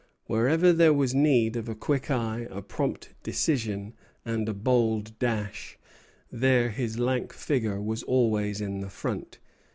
Wherever there was need of a quick eye, a prompt decision, and a bold dash, there his lank figure was always in the front.